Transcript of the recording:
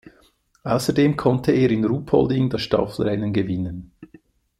Außerdem konnte er in Ruhpolding das Staffelrennen gewinnen.